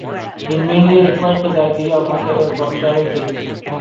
It mainly refers to the idea of material prosperity.